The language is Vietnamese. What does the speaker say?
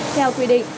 theo quy định